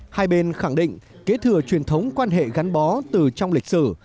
hai bên khẳng định kế thừa truyền thống quan hệ gắn bó từ trong lịch sử